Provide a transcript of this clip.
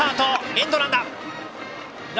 エンドランだ。